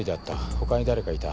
他に誰かいた？